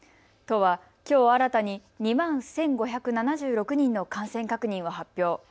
都はきょう新たに２万１５７６人の感染確認を発表。